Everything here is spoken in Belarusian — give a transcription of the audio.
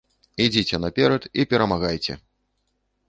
Ідзіце наперад і перамагайце!